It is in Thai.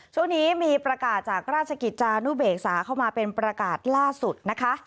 ช่วงนี้มีประกาศจากราชกิจจานุเบกษาเข้ามาเป็นประกาศล่าสุดนะคะ